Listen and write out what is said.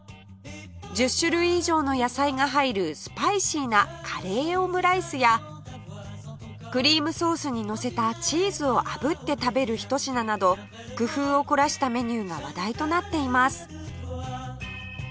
１０種類以上の野菜が入るスパイシーなカレーオムライスやクリームソースにのせたチーズをあぶって食べるひと品など工夫を凝らしたメニューが話題となっています